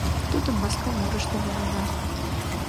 Тудым Масканурышто налына.